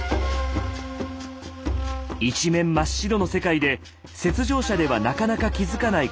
一面真っ白の世界で雪上車ではなかなか気付かない